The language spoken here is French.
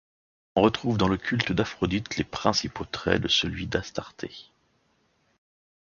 On retrouve dans le culte d'Aphrodite les principaux traits de celui d'Astarté.